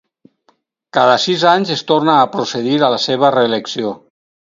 Cada sis anys es torna a procedir a la seva reelecció.